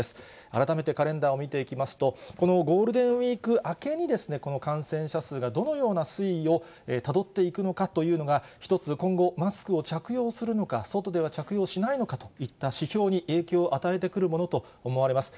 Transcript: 改めてカレンダーを見ていきますと、このゴールデンウィーク明けにですね、この感染者数がどのような推移をたどっていくのかというのが、一つ、今後、マスクを着用するのか、外では着用しないのかといった指標に影響を与えてくるものと思われます。